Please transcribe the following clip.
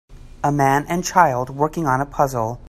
A man and child working on a puzzle.